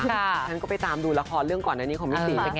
ฉันก็ไปตามดูละครเรื่องก่อนอันนี้ของพี่ศรี